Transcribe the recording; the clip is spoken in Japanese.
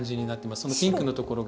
そのピンクのところが。